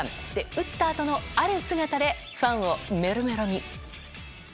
打ったあとの、ある姿でファンをメロメロに。